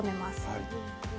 はい。